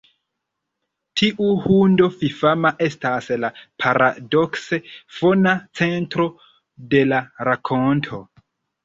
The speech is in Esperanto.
Tiu hundo fifama estas la paradokse fona centro de la rakonto.